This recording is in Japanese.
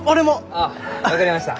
あっ分かりました。